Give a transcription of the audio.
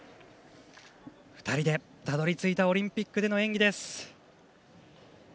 ２人でたどり着いたオリンピックでの演技です。